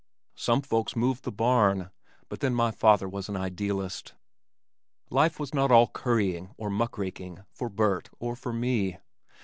Some folks moved the barn. But then my father was an idealist. Life was not all currying or muck raking for Burt or for me.